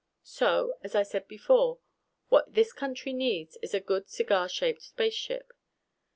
So, as I said before, what this country needs is a good cigar shaped spaceship.